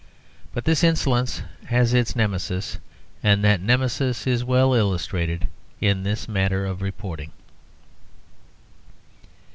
But this insolence has its Nemesis; and that Nemesis is well illustrated in this matter of reporting.